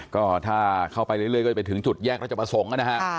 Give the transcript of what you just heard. ก็ถ้าเข้าไปเรื่อยก็จะไปถึงจุดแยกราชประสงค์นะฮะ